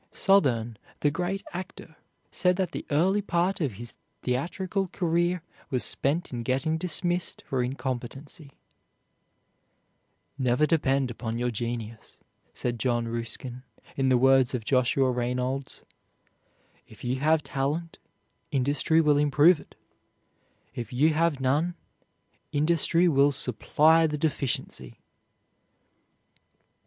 Sothern, the great actor, said that the early part of his theatrical career was spent in getting dismissed for incompetency. "Never depend upon your genius," said John Ruskin, in the words of Joshua Reynolds; "if you have talent, industry will improve it; if you have none, industry will supply the deficiency."